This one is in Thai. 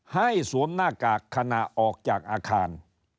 สวมหน้ากากขณะออกจากอาคาร